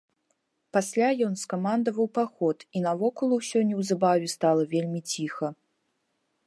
Пасля ён скамандаваў паход, і навокал усё неўзабаве стала вельмі ціха.